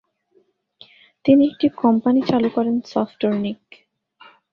তিনি একটি কোম্পানি চালু করেন সফটরণিক।